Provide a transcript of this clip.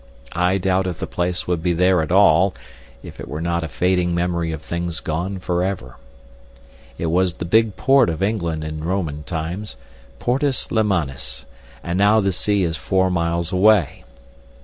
I doubt if the place would be there at all, if it were not a fading memory of things gone for ever. It was the big port of England in Roman times, Portus Lemanis, and now the sea is four miles away.